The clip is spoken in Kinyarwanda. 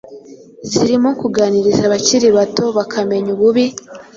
zirimo kuganiriza abakiri bato bakamenya ububi